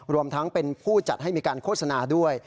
รวมทั้งเป็นผู้จัดให้มีการโฆษณาด้วย